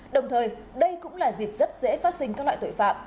đồng thời đây cũng là dịp rất dễ phát sinh các loại tội phạm